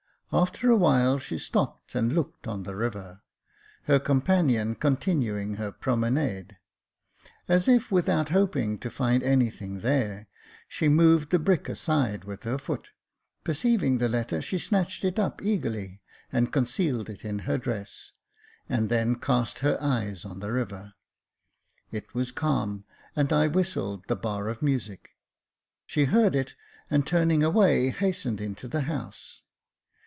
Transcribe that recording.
After a while she stopped, and looked on the river, her companion continuing her promenade. As if without hoping to find anything there, she moved the brick aside with her foot ; perceiving the letter, she snatched it up eagerly, and concealed it in her dress, and then cast her eyes on the river. It was calm, and I whistled the bar of music. She heard it, and, turning away, hastened into the house.